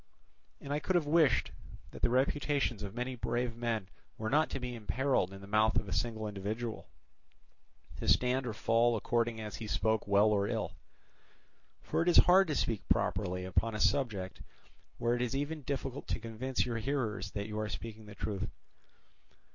And I could have wished that the reputations of many brave men were not to be imperilled in the mouth of a single individual, to stand or fall according as he spoke well or ill. For it is hard to speak properly upon a subject where it is even difficult to convince your hearers that you are speaking the truth.